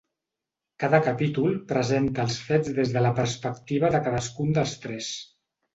Cada capítol presenta els fets des de la perspectiva de cadascun dels tres.